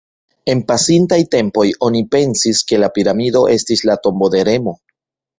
En pasintaj tempoj oni pensis ke la piramido estis la tombo de Remo.